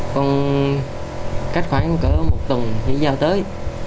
con cách khoảng một tuần thì giao tới